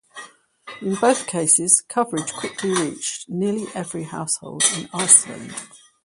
In both cases coverage quickly reached nearly every household in Iceland.